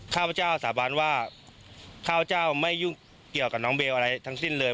ข้าพเจ้าสาบานว่าข้าพเจ้าไม่ยุ่งเกี่ยวกับน้องเบลอะไรทั้งสิ้นเลย